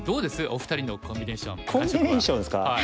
お二人のコンビネーション感触は。